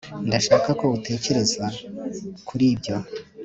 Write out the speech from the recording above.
ndashaka ko utekereza kuri ibyo